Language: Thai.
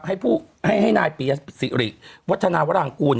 ให้นายปียสิริวัฒนาวรางกูล